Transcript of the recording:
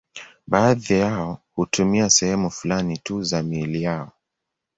Baadhi yao hutumia sehemu fulani tu za miili yao.